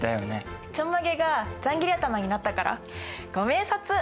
ちょんまげがざんぎり頭になったから！？ご明察！